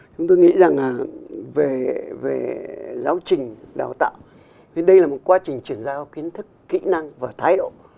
chúng tôi nghĩ rằng là về giáo trình đào tạo thì đây là một quá trình chuyển giao kiến thức kỹ năng và thái độ